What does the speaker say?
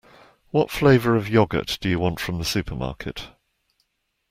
What flavour of yoghurt do you want from the supermarket?